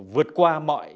vượt qua mọi